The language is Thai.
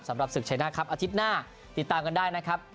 สำหรับศึกชัยหน้าครับอาทิตย์หน้าติดตามกันได้นะครับ